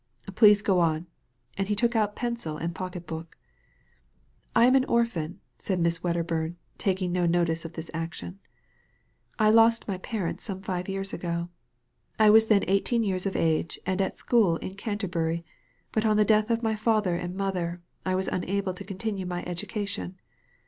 Please go on "— and he took out pencil and pocket book. " I am an orphan, said Miss Wedderbum, taking no notice of this action, " as I lost my parents some five years ago. I was then eighteen years of age and at a school in Canterbury, but on the death of my father and mother I was unable to continue my education.